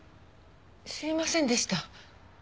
知りませんでした。